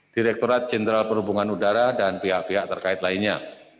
direkturat jenderal perhubungan udara dan pihak pihak terkait lainnya